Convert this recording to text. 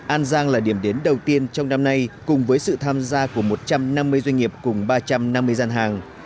an giang là điểm đến đầu tiên trong năm nay cùng với sự tham gia của một trăm năm mươi doanh nghiệp cùng ba trăm năm mươi gian hàng